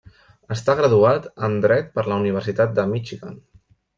Està graduat en dret per la Universitat de Michigan.